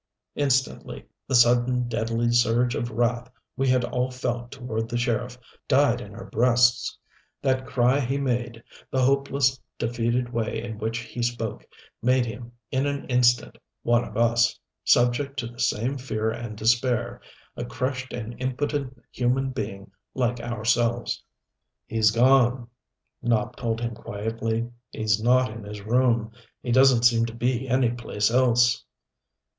Instantly the sudden, deadly surge of wrath we had all felt toward the sheriff died in our breasts. That cry he made, the hopeless, defeated way in which he spoke, made him, in an instant, one of us subject to the same fear and despair, a crushed and impotent human being like ourselves. "He's gone," Nopp told him quietly. "He's not in his room. He doesn't seem to be any place else."